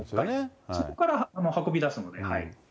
そこから運び出すので、